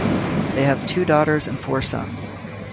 They have two daughters and four sons.